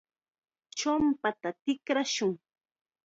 champata tikrashun.